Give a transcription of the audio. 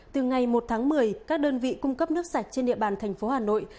từ ngày một tháng một mươi các đơn vị cung cấp nước sạch trên địa bàn thành phố hà nội